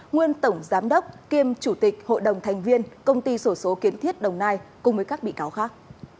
nguyên tổng giám đốc kiêm chủ tịch hội đồng thành viên công ty sổ số kiến thiết đồng nai cùng với các bị cáo khác